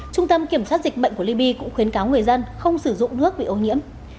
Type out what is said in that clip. trung tâm kiểm soát dịch bệnh của libya cũng khuyến cáo người dân không sử dụng nước bị ô nhiễm